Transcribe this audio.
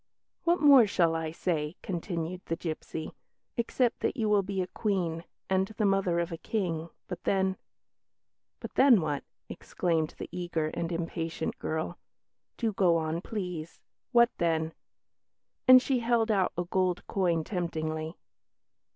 "What more shall I say," continued the gipsy, "except that you will be a Queen, and the mother of a King; but then " "But then, what?" exclaimed the eager and impatient girl; "do go on, please. What then?" and she held out a gold coin temptingly.